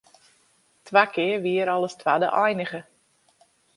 Twa kear wie er al as twadde einige.